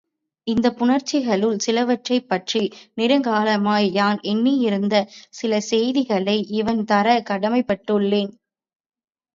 இந்தப் புணர்ச்சிகளுள் சிலவற்றைப் பற்றி நெடுங்காலமாய் யான் எண்ணியிருந்த சில செய்திகளை இவண் தரக் கடமைப்பட்டுள்ளேன்.